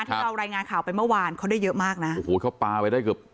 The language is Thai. ที่เรารายงานข่าวไปเมื่อวานเขาได้เยอะมากนะโอ้โหเขาปลาไปได้เกือบ